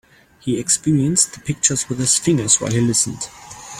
He experienced the pictures with his fingers while he listened.